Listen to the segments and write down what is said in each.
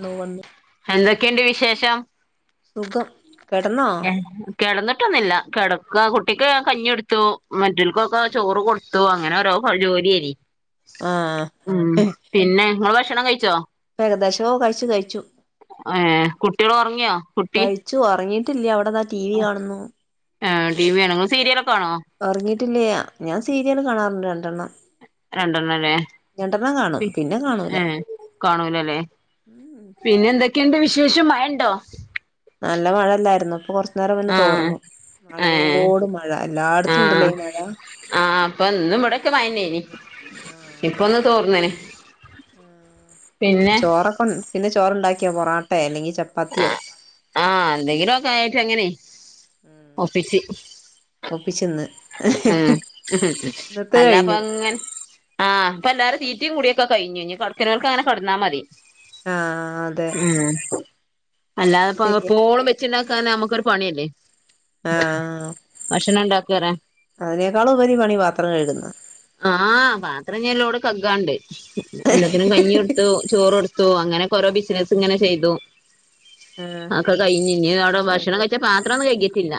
ന്നു വന്ന് എന്തൊക്കെണ്ട് വിശേഷം? സുഖം കെടന്നോ? കെടന്നിട്ടൊന്നില്ല കെടക്ക കുട്ടിക്ക് കഞ്ഞി എടുത്തു മറ്റിൽ ക്കൊക്കെ ചോറ് കൊടു ത്തു അങ്ങനെ ഒരോ ജോലിയെരി ആഹ് ഉം പിന്നെ നിങ്ങള് ഭക്ഷണം കഴിച്ചോ? ഏകദേശോ കഴിച്ചു കഴിച്ചു ഏഹ് കുട്ടികള് ഉറങ്ങിയോ കുട്ടി കഴിച്ചു ഒറങ്ങീട്ടില്ല അവിടന്നാ ടി വി കാണുന്നു. ആഹ് ടി വി കണോ ങ്ങള് സീരിയലോ ക്കെണോ? ഉറങ്ങിട്ടില്ല ഞാൻ സീരിയല് കാണാറുണ്ട് രണ്ടെണ്ണം രണ്ടെണ്ണം ലെ രണ്ടെണ്ണം കാണും പി പിന്നെ കാണൂല ഏഹ് കാണൂലല്ലെ ഉം പിന്നെ എന്തൊക്കെയുണ്ട് വിശേഷം മഴ ഇണ്ടോ നല്ല മഴല്ലായിരുന്നു പ്പൊ കൊറ നേരം മെന്ന ആഹ് തോർന്നു ഏഹ് മഴയോട് മഴ എല്ലായിടത്തും ആഹ് ഉണ്ടല്ലെ ഈ മഴ ആഹ് അപ്പൊ ഇന്നും ഇവിടൊക്കെ മയന്നെനി. ആഹ് ഇപ്പൊന്ന് തോർന്നേനെ ആഹ് ചോറൊക്കെ പിന്നെ ചോറണ്ടാക്കിയാ പൊറോട്ട അല്ലെങ്കി ആഹ് ആഹ് എന്തെങ്കിലുമൊക്കെ ആയിട്ട് ഇങ്ങനെ ഒപ്പിച്ച് ഒപ്പിച്ചെന്ന് ഉം ഉം ഉ അല്ലപ്പൊ കഴിഞ്ഞു ഇങ്ങെ ആഹ് ഇപ്പ എല്ലാരും തീറ്റീ കൂടിയൊക്കെ കഴിഞ്ഞ് കടക്കുന്നവർക്ക് അങ്ങനെ കിടന്നാ മതി ആഹ് അതെ ഉം അല്ലാതെ ഇപ്പ ശരിയാ എപോളും വെച്ചിണ്ടാക്കാന്ന നമുക്കൊരു പണിയല്ലേ ആഹാ ഭക്ഷണം ഉണ്ടാകുകയാരാ അതിനേക്കാളുപരി പണി പാത്രം കഴുകുന്നാ ആഹ് പാത്രം ഞാൻ ലോഡ് കഴുകാൻ ഉണ്ട് എല്ലാത്തിനും കഞ്ഞി കൊടു ചോറ് കൊടുത്തു അങ്ങനൊക്കെ ഓരോ ബിസിനസ്സ് ഇങ്ങനെ ചെയ്തു ആഹ് അതൊക്കെ കഴിഞ്ഞു ഇനി അവിടെ ഭക്ഷണം അതെ കഴിച്ചാ പാത്രം ഒന്നും കഴിക്കിട്ടില്ല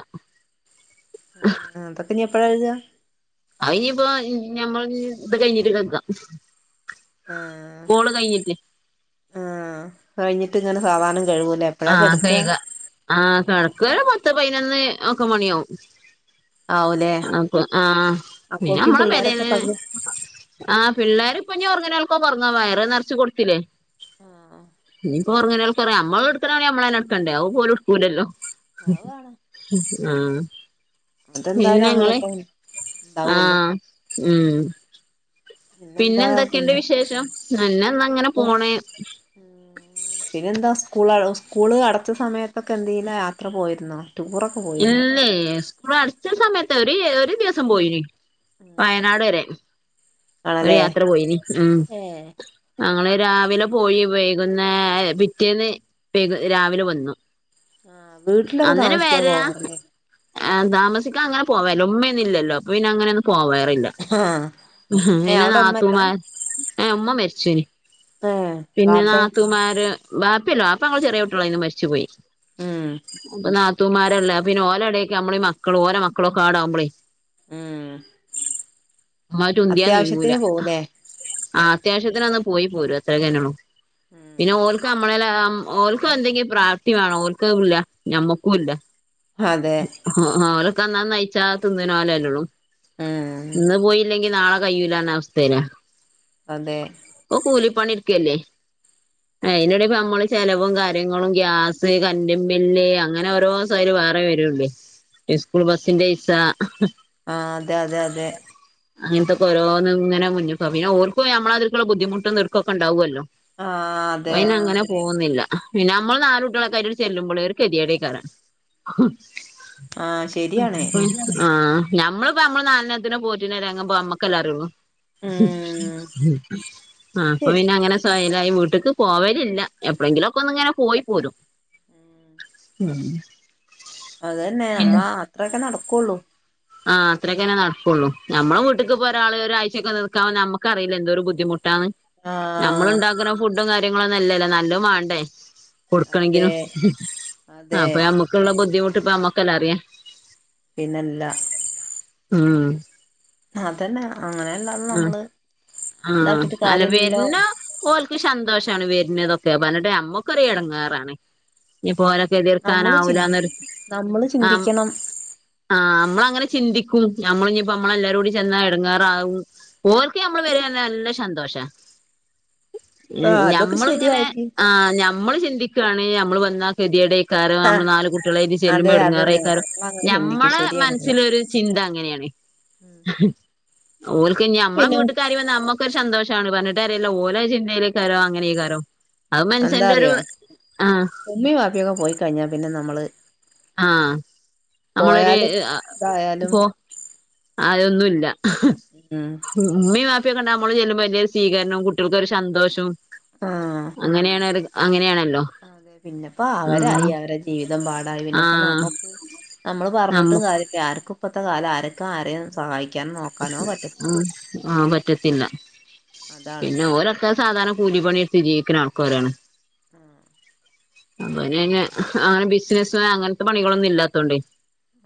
അതൊക്കെ ഇനി എപ്പഴാ എഴുതുക അത് ഇനിയിപ്പോ ഞമ്മൾ ഇത് കഴിഞ്ഞിട്ട് കേൾക്കാം ആഹ് ആഹ് കഴിഞ്ഞി ഇങ്ങനെ സാവാധാനം കഴുകുല്ലേ എപ്പോഴാ ആഹ് കെടാകാ കഴുകാ ആഹ് കിടകലെ പത്ത് പതിനൊന്ന് ഒക്ക മണിയാവും ആവൂലേ ആഹ് ഇനി അപ്പോഴേക്കും നമ്മളെ പിള്ളേരൊക്കെ പെരേലെ പകു ആഹ് പിള്ളേരിപ്പ ഉറങ്ങനെ ആൾക്കോകെ ഉറങ്ങാം വയറ് നിറച്ച് കൊടുത്തില്ലേ ആഹ് ഉറങ്ങനെ ഒറങ്ങ നമ്മള് എടുക്കണ പണി നമ്മളെ തന്നെ എടുക്കണ്ടേ അവ ഓല് എടുക്കൂലല്ലോ ആവാണ് ആഹ് അതെന്തായാലും പിന്നെങ്ങളെ അങ്ങനെയല്ലേ ഉണ്ടാവുള്ളു ആഹ് ഉമ്മ് പിന്നെ പിന്നെന്താ എന്തൊക്കെയുണ്ട് പിന്നെ വിശേഷം ഞങ്ങൾ അങ്ങനെ പോണേ ഉം പിന്നെ എന്താ സ്കൂൾ സ്കൂൾ അടച്ച സമയത്തൊക്കെ എന്തേലും യാത്ര പോയിരുന്നോ ടൂർ ഇല്ലെ സ്കൂൾ അടിച്ച സമയത്ത് ഒരു ഒരു ദിവസം പോയിന് വയനാട് വരെ ഒരു ആണല്ലേ യാത്ര പോയിന് ഉം ഏഹ് ഞങ്ങള് രാവിലെ പോയി വൈകുനേരം പിറ്റേന്ന് വൈകു രാവിലെ വന്നു ആഹ് വീട്ടിലൊക്കെ താമസിക്കാൻ പോവാറില്ലേ ആഹ് താമസിക്കാൻ അങ്ങനെ പോവേല ഉമ്മയൊന്നും ഇല്ലല്ലോ അപ്പൊ പിന്നെങ്ങനൊന്നും പോവാറില്ല ആഹ് ഏഹ് പിന്നെ അവിടെ ഉമ്മല്ല നാത്തൂമാരെ ഉമ്മ മരിച്ചു പോയിനി ഏഹ് പിന്നെ വാപ്പേ നാത്തുൻമാര് ബാപ്പയില്ല ബാപ്പ ഞങ്ങൾ ചെറിയ കുട്ടിയോളാരിന്നപ്പോ തന്നെ മരിച്ചു പോയി ഉം അപ്പ നാത്തൂമാരല്ലാ പിന്നെ ഓല എടേക്ക് നമ്മളീമക്കൾ ഓല മക്കളൊക്കെ ആടാവുമ്പളെ ഉം റ്റുന്തിയാ അത്യാവശ്യത്തിന് നീങ്ങൂലാ പോവുലേ ആ അത്യാവശ്യത്തിന് ഒന്ന് പോയിപോരും അത്രയ്ക്കുതന്നെയൊള്ളു ഉം പിന്നെ ഓല് നമ്മളെല്ലാം ഓൽക്കും എന്തെങ്കിലും പ്രാപ്തിവേണം ഓൽക്കതില്ല ഞമ്മക്കും ഇല്ല. അതെ ആ ഹാ അവരൊക്കെ അന്നന്നു നയിച്ചാ തിന്നനോലല്ലേള്ളൂ ഉം ഇന്ന് പോയില്ലെങ്കി നാളെ കയ്യൂലാന്ന അവസ്ഥയിലാ അതെ ഓൻ കൂലി പണിയെട്ക്കല്ലേ അയിൻ്റെടെയിപ്പം നമ്മള് ചെലവും കാര്യങ്ങളും ഗ്യാസ് കറന്റുബില്ല് അങ്ങനെയോരോ ക്കെ അയില് വേറെ വെരൂല്ലേ ഇസ്കൂൾ ബസ്സിന്റെയിസ ആഹ്, അതെ അതെ അതെ അങ്ങനത്തെയൊക്കെ ഓരോന്നിങ്ങനെ [unintelligible] പിന്നെ ഓർക്കും ഞമ്മള മാതിരിക്ക്ള്ള ബുദ്ധിമുട്ടും തെരക്കൊക്കെയുണ്ടാവല്ലോ ആഹ് അതെ പ്പയ്ന് അങ്ങനെ പോന്നില്ല പിന്നെമ്മള് നാല് കുട്ട്യാളൊക്കായിറ്റണ്ട് ചെല്ലുമ്പള് ഒരു കെതിയേടെക്കാരം ആഹ് ശരിയാണ് ആ ഞമ്മളിപ്പോ നമ്മള് നാലെണ്ണത്തിനെ പോറ്റിന്നരങ്ങം അമ്മക്കല്ലെ അറിയൊള്ളു. ഉം അത് അപ്പൊ പിന്നെ ശരിയാ അങ്ങനെ സയലായി വീട്ട്ക്ക് പോവലില്ല എപ്പഴെങ്കിലും ഒക്കെ ഒന്ന് ഇങ്ങനെ പോയി പോരും ഉം ഉം അതെന്നെ നമ്മള് അത്രക്കെ നടക്കൊള്ളൂ ആ അത്രേക്കെന്നെ നടക്കൊള്ളൂ ഞമ്മളെ വീട്ടിക്ക്പ്പൊരാള് ഒരാ ഉച്ചക്കുവന്നുനിക്കാൻ നമ്മക്കറിയില്ലയെന്തോരു ബുദ്ധിമുട്ടാന്ന് ആ മ്മള്ണ്ടാക്ക്‌ണ ഫുഡും കാര്യങ്ങളൊന്നുല്ലല്ലോ നല്ലോ വാണ്ടേ അതെ കൊട്ക്കണെങ്കിലും അതെ അപ്പ ഞമ്മക്ക്‌ള്ള ബുദ്ധിമുട്ട്പ്പ ഞമ്മക്കല്ലെറിയ പിന്നെല്ല ഉം അതെന്നെ അങ്ങനെ അ ആഹ അല്ല കാര്യല്ലല്ലോ വരണം ഓല്ക്ക് ഷന്തോഷണ് വരുന്നതൊക്കെ പറഞ്ഞിട്ട് അമ്മക്ക്‌ ഒരു എടങ്ങേറാണ് ഇനി പോലെ നമ്മള് ചിന്തി കെതിട്ക്കാനാവൂലന്നൊരു നമ്മള് ആ ചിന്തിക്കണം ആ അമ്മളങ്ങനെ ചിന്തിക്കും നമ്മളിനി ഇപ്പോ നമ്മളല്ലാരും കൂടി ചെന്നാ എടങ്ങേറാവും ഓല്ക്ക്‌ നമ്മള് വരാ പറഞ്ഞ നല്ല ഷന്തോഷാ ആഹ് അതൊക്കെ ഞമ്മള്ങ്ങനെ ശരിയായിരിക്കും ആ ഞമ്മള് ചിന്തിക്കാണ് ഞമ്മൾ വെന്ന കെതേയ്ട് ക്കാരും ആ നമ്മള് നാല്കുട്ടിളെട്ട് അതെ ചെല്ലുമ്പോ അതന്നെ എട്ങ്ങേറേക്കാരും നമ്മളങ്ങനെ ചിന്തിക്കും ഞമ്മളെ ശരിയാണത് മനസ്സിലൊരു ചിന്ത അങ്ങനെയാണ് ഓല്ക്ക് ഇഞ്ഞി നമ്മളെ പിന്നെ വീട്ക്ക്‌ ആരേം വന്നമ്മക്ക് ഒരു ഷന്തോഷാണ് പറഞ്ഞിട്ട് കാര്യല്ല ഓലെ അത് ചിന്തയിലേക്ക്‌ തരോ അങ്ങനെക്കാരും അത് മന്സന്റെ ഒരു ആ ഉമ്മീം വാപ്പിയൊക്കെ പോയിക്കഴിഞ്ഞ പിന്നെ ന്നമ്മള് ആഹ നമ്മളൊരു പോയാലും ഇതായാലും പോ അതൊന്നുല്ല ഉം ഉമ്മീം വാപ്പക്കെണ്ടാകുമ്പോ നമ്മള് ചെല്ലുമ്പ വല്യരു സ്വീകരണം കുട്ടികള്ക്കൊരു ഷന്തോഷും ആഹ് അങ്ങനേണോര് അങ്ങനെണല്ലോ അതെ പിന്നെപ്പോ അവരായി അവരെ ജീ ജീവിതം പാടായി ആഹ് പിന്നെപ്പനമ്മ നമ്മള് പറഞ്ട്ടും നമ്മ കാര്യ ആര്ക്കുപ്പത്തെ കാലം ആരൊക്കെ ആരെ സഹായി ആ പറ്റത്തില്ല അതാണ് പിന്നോര ക്ക സാധരണകൂലിപണിട്ത് ജീവിക്ക്‌ണ ആൾക്കാരാണ് ആ അപ്പങ്ങനെ ബിസിനസ് അങ്ങനത്തെ പണികളൊന്നും ഇല്ലാത്തോണ്ടെ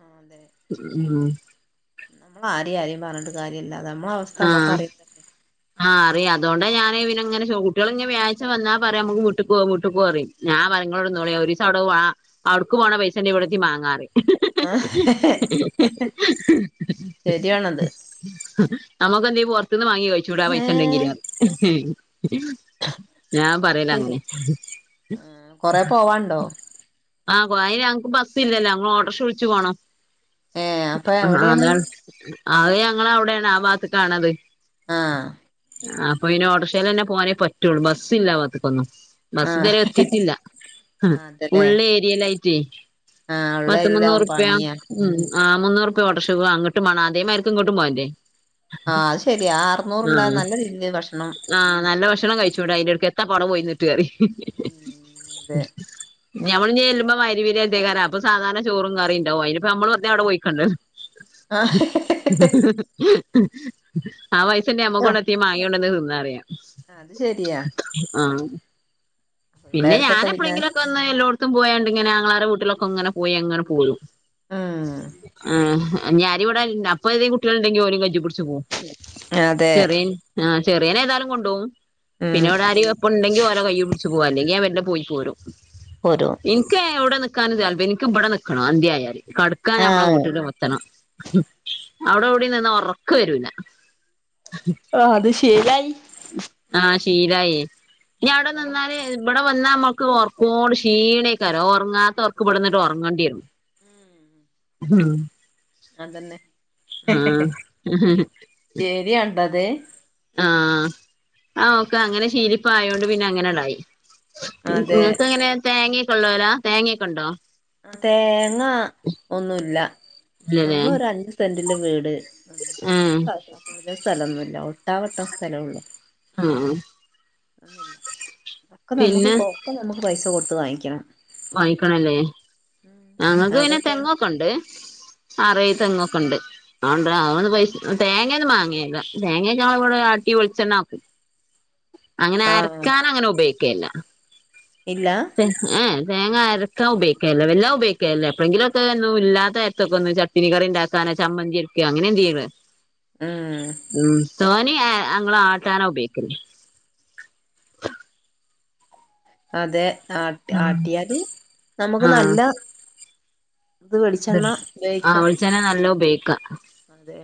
ആ അതെ ഉം മ്മള് ആര്യം ആര്യം പറഞ്ഞട്ട് കാര്യല്ല നമ്മളെ അവസ് ആഹ ആഹ അറിയ അതൊണ്ടാ ഞാന് പിന്നെ ഇങ്ങനെ ചൗ കുട്ട്യാളിനി വ്യാഴാച വന്നാ പറിം അമ്മക്ക് വീട്ട്ക് പോവാ വീട്ട്ക് പോവാ പറീം ഞാൻ പറിം ഇങ്ങള് അവ്ടെ നിന്നോളി ഒരിസം അവിട അവ്ട്ക്ക് പോണ പൈസണ്ടേൽ ഇവിടുത്തി മാങ്ങാറിം ശരിയാണത് നമ്മക്കെന്തെങ്കി പൊറത്തന്ന് വാങ്ങി കഴിച്ചൂടെ ആ ഏഹ് പൈസായിണ്ടെങ്കില് ഞാൻ പറയല് ശരിയാ അങ്ങനെ ആഹ് കൊറെ പോവാണ്ടോ ആ പ്പയ്നങ്ങക്ക് ബസ്സ്ല്ലല്ലോ അപ്പൊ ഓട്ടർഷവിളിച്ച് പോണം ഏ അപ്പൊ ആ എവിടെയാണ് അതാണ് അത് ഞങ്ങളെ അവിടെണ് ആ ഭാഗത്ത്ക്കാണത് ആഹ് ആഹ് അപ്പൊ പിന്നെ ഓട്ടോറെക്ഷേല് തന്നെ പോകാനേ പറ്റുള്ളൂ ബസ് ഇല്ലാ ആബാഗത്തേക്കൊന്നും ബസ് ആഹ് ഇതുവരെ എത്തിട്ടില്ല അതല്ലേ ഉള്ള് ഏരിയയിലായിട്ടേ ആഹ് ഉള്ള പത്തെണ്ണം അരിയിലാവും നൂറുപ്യ പണിയാ ഉം ആഹ് മൂന്നൂറുപ്യാ ഓട്ടറഷക്ക് അങ്ങട്ടും മാണം അതേമാരിക്ക് ഇങ്ങോട്ടും പോറന്റെ ആഹ് അത് ശരിയാ ആ അറുനൂറുണ്ടേ ആഹ് നല്ല രീതിക്ക് ഭക്ഷണം ആഹ് വാങ്ങി കഴിക് നല്ല ഭക്ഷണം കഴിച്ചുടെ അയിന്റെടക്ക് എത്താപ്പ അവടെ പോയിന്നിട്ട് പറയും ഉം അതെ ഞമ്മള് ഇന് ചെലുംമ്പോ മഹ്‌രിബ് ൻ്റെ നേരത്തേക്കാരം അപ്പം സാധാരണ ചോറും കറിണ്ടാവും അയ്നിപ്പ നമ്മള് വെറുതെ അവിടെ പോയിക്കണ്ടല്ലോ ആഹ് ആ പൈസേണ്ടെങ്കി നമ്മക്ക് ഇവിടെ ഒത്തിരി മാങ്ങേകൊണ്ടെന്ന് തിന്നാ പറയാ അത് ശെരിയാ ആഹ് പിന്നെ പിള്ളേർക്കൊക്കെ ഞൻ പിന്നെ എപ്പോളെങ്കിലും ക്ക് ഒന്ന് എല്ലോട്ത്തും പോയേണ്ട് ഇങ്ങനെ ആങ്ങളമാരെ വീട്ടിലൊക്കെങ്ങനെ പോയി അങ്ങനെ പോലും ഉം ആഹ് ഞാനിവിട അപ്പൊ ഏതെങ്കും കുട്ടികളുണ്ടെങ്കി ഓരും കജ് പുടിച്ചു പോകും അതെ ചെറിയൻ ആഹ് ചെറിയനെ ഏതായാലും കൊണ്ടോവും ഉം പിന്നെ ഇവടെ അരി വെപ്പ് പ്പ ണ്ടെങ്കി ഓരെ കയ്യ് പിടിച്ച് പോവാ അല്ലെങ്കി ഞാൻ പിന്നെ പോയി പോരും പോരോ ഇൻക്ക് ഏഹ് എവിടെ നിക്കാന് താൽപര്യ ഇൻക്ക് ഇബടെ നിക്കണം അന്തിയായാല് കടക്കാൻ നമ്മെള ആഹ് വീട്ടിലും എത്തണം അവിടെ ഇവിടെ നിന്ന ഒറക്ക് വരൂല്ല ആഹ് അത് ശീലായി ആഹ് ശീലായി ഇനി അവിടെ അതാണ് നിന്നാല് ഇവിടെ വന്നാ നമ്മുക്ക് ഒർക്കോട് ക്ഷീണെക്കാരം ഒറങ്ങാത്ത ഒർക്ക് ഇവിടുന്നിട്ട് ഒറങ്ങണ്ടി വരും ഉം ഉം അതന്നെ ആഹ് ശരിയാണ്ടത് ആഹ് ആഹ് ഓക്കെ അങ്ങനെ ശീലിപ്പായൊണ്ട് പിന്നെ അങ്ങനെ അങ്ങടായി ഇങ് അതെ ഇങ്ങക്ക് എങ്ങനെ തേങ്ങയൊക്കെ ഉള്ളോലാ തേങ്ങയൊക്കെ ഉണ്ടോ ആഹ് തേങ്ങ ഒന്നുല്ല നമ്മളൊര് അഞ്ച് സെന്റില് വീട് നിന്നു. ഉം കൂടുതൽ സ്ഥലംന്നുല്ല ഒട്ടാ വട്ടം സ്ഥലെ ഒള്ളൂ ആഹ് ഒന്നില്ല ക്കെ നമ്മുക്ക് പിന്നെ ഒക്കെ നമ്മുക്ക് പൈസ കൊടുത്ത് വാങ്ങിക്കണം വാങ്ങിക്കണല്ലേ ഞങ്ങക്ക് പിന്നെ അവിടൊക്കെ തെങ്ങൊക്കെണ്ട് ആറേഴ് ആഹ് തെങ്ങൊക്കെണ്ട് ആണ്ടെ അവന്ന് പൈസ തേങ്ങേന്നും മാങ്ങേല്ല തേങ്ങക്ക ഞമ്മളിവിടെ ആട്ടി വെളിച്ചെണ്ണാക്കും [inaudible] അങ്ങനെ ആഹ് അരക്കാൻ അങ്ങനെ ഉപയോഗിക്കേല ഇല്ലാ ഏഹ് തേങ്ങ അരക്കാൻ ഉപയോഗിക്കേല വല്ലോം ഉപയോഗിക്കേല എപ്പഴെങ്കിലും ഒക്കെ ഒന്നും ഇല്ലാത്തനേരത്തക്കൊന്ന് ചട്ട്നി കറി ഉണ്ടാക്കാനോ ചമ്മന്തിയരിക്ക അങ്ങനെ എന്ത് ചെയ്യ്ന്ന് ഉം ഉം തോനിം ഏഹ് അങ്ങള് ആട്ടാന ഉപയോഗിക്കല്ല് അതെ ആട്ടി ആട്ടിയാല് നമുക്ക് നല്ല ഇത് വെളിച്ചെണ്ണ ഇദല്ലേ ആഹ് ഉപയോഗിക്കാം വെളിച്ചെണ്ണ നല്ലോം ഉപയോഗിക്ക അതെ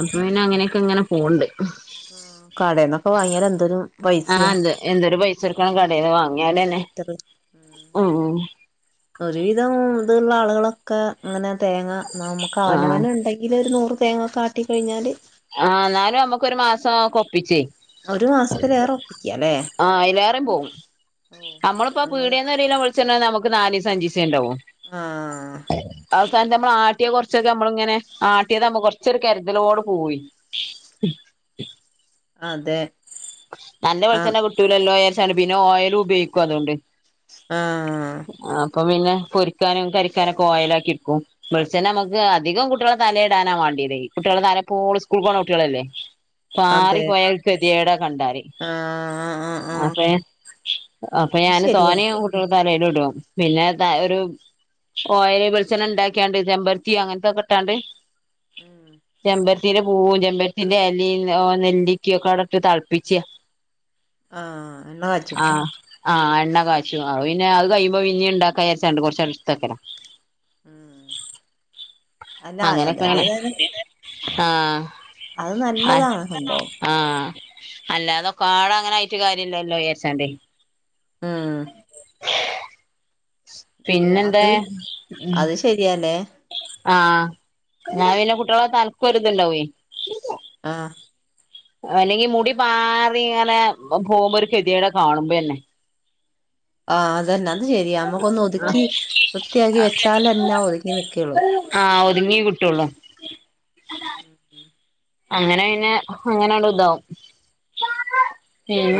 അപ്പ പിന്നെ അങ്ങനെക്കെ ഇങ്ങനെ പോക്ണ്ട് ആഹ് കടെന്നൊക്കെ വാങ്ങിയാല് എന്തോരു ആഹ് പൈസയാ എന്ത് എന്തൊരു പൈസകൊടുക്കണം കടേന്ന് വാ ഒരിറ്ററ് ഒരുവിധം ഇതുള്ള ആളുകളൊക്കെ ഇങ്ങനെ തേങ്ങ നമക്ക് ആഹ് അവനാന് ണ്ടെങ്കില് ഒരു നൂറ് തേങ്ങക്ക ആട്ടി കഴിഞ്ഞാല് ആ ന്നാലും അമ്മക്ക് ഒരു മാസോക്കെ ഒപ്പിച്ചേ. ഒരു മാസത്തിലേറെ ഒപ്പിക്കാല്ലേ ആഹ അയ്ലേറേം പോവും അമ്മള്പ്പൊ നമ്മള് പീടേന്ന് ഒര് കിലോ വെളി ചണ്ണാ ഞമക്ക് നാലിസോ അഞ്ചിസെ ണ്ടാവു. ആഹ് ക മ്മള് ആട്ട്യേത് കൊർച്ചൊക്കെ അമ്മള്ങ്ങെനെ ആട്ട്യതാമ്പോ കൊർച്ചൊരു കര്തലോട് പോവെ. [inaudible] അതെ. നല്ല ആഹ് വെളിചെണ്ണ കിട്ടൂലല്ലോ വിചാരിചാണ്ട് പിന്നെ ഓയിലും ഉപയോഗിക്കും അതോണ്ട്. ആഹ് - ആ അപ്പൊ പിന്നെ പൊരിക്കാനും കരിക്കാനൊക്കെ ഓയലാക്കി ഇട്ക്കും. വെളിച്ചണ്ണ മ്മക്ക് അധികം കുട്ടിളെ തലെടാനാ മാണ്ട്യതെ കുട്ടിളെ തല എപ്പോളും സ്കൂൾക്ക്‌ പോണ കുട്ട്യാളല്ലേ. പാറി അതെ പോയാ ഗെതികേടാ കണ്ടാല്. ആഹ് ആഹ് ആഹ് അപ്പേ അപ്പൊ അത് ഞാന് ശരിയാ തോനെ ഞാൻ കൂട്ടെളെ തലേല്ടും പിന്നെ അത ഒരു ഓയൽ വെളിചണ്ണ ഇണ്ടാക്കികാണ്ട് ചെമ്പരത്തി അങ്ങനത്തെക്കെ ഇട്ടാണ്ട് ഉം ചെമ്പര് ത്തിരെ പൂവും ചെമ്പത്തിന്റെ എലി ഓ നെല്ലിക്കി ഒക്കെ അടട്ട് തെളപ്പിച്യാ. ആഹ് എണ്ണ കാച്ചും ആഹ് ആഹ് എണ്ണ കാച്ചും അപ്പോ പിന്നെ അത് കയ്യുമ്പോ പിന്നി ഇണ്ടാക്കാ വിചാരിച്ചാണ്ട് കോർച്ചാട എടുത്തേക്കല. ഉം അല്ല അത് അങ്ങനെക്കാണ് അതേതായാലും ആഹ. അത് നല്ലതാ സംഭവം. ആഹ അല്ലതെ കാട അങ്ങനെ ആയിട്ട് കാര്യല്ലല്ലോ വിചാരിചാണ്ടേ ആഹ് അത് പിന്നെന്താ അത് ശരിയാല്ലേ? ആ് ഞാൻ പിന്നെ ഉം കുട്ടിളെ തലക്കൊര്ത്ണ്ടാവെ ആ. അല്ലെങ്കി മുടി പാറി ഇങ്ങനെ പോമ്പോ ഒരു കെതിയെടാ കാണുമ്പോന്നെ. ആഹ അതെന്നെ അത് ശരിയാ അമ്മക്കൊന്ന് ഒതുക്കി വൃത്തിആക്കി വെച്ചാലെന്നെ ഒതുങ്ങി നിക്കെള്ളൂ. ആ ഒത്ങ്ങി കിട്ടുള്ളൂ. ഉം ഉം. അങ്ങനെ പിന്നെ അങ്ങനണ്ട് ഇതാവും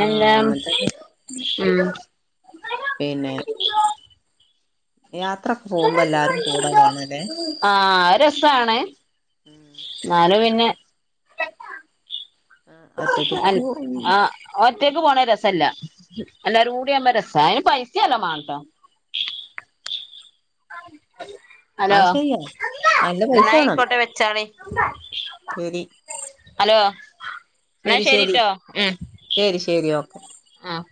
ആഹ് അങ്ങനത്തന്നെ ഉം. പിന്നെ യാത്ര ഒക്കെ പോമ്പോ എല്ലാരും കൂടെ വേണലെ? ആഹ് അഹ് രസാണ് ന്നാലു പിന്നെ- ആഹ് ഒറ്റക്കിട്ട് അൻ ആ ഒറ്റക്ക് പോണെ രസല്ല എല്ലാരുടി ആമ്പോ രസ അയ്ന് പൈസേം നല്ലം മാണട്ടോ. ഹലോ അത് ശരിയാ നല്ല പൈസ എന്നാ വേണം ആയിക്കോട്ടെ വെച്ചാളി. ശരി ഹലോ ന്നാ ശരി ശരി ശരിട്ടോ മ് ശരി ശരി ഓക്കെ ആഹ്.